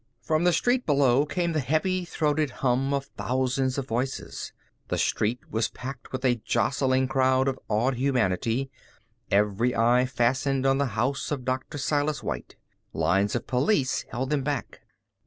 From the street below came the heavy throated hum of thousands of voices. The street was packed with a jostling crowd of awed humanity, every eye fastened on the house of Dr. Silas White. Lines of police held them back.